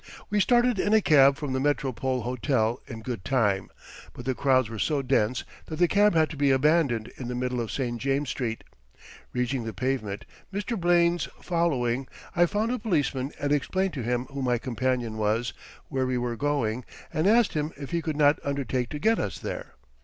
We started in a cab from the Metropole Hotel in good time, but the crowds were so dense that the cab had to be abandoned in the middle of St. James's Street. Reaching the pavement, Mr. Blaine following, I found a policeman and explained to him who my companion was, where we were going, and asked him if he could not undertake to get us there.